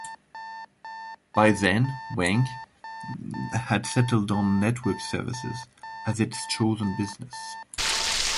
By then Wang had settled on "network services" as its chosen business.